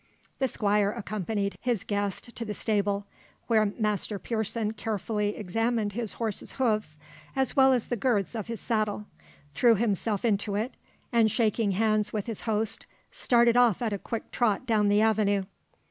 The Squire accompanied his guest to the stable, where Master Pearson carefully examined his horse's hoofs, as well as the girths of his saddle, threw himself into it, and shaking hands with his host, started off at a quick trot down the avenue.